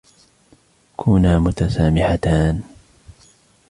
كونا متسامحتان.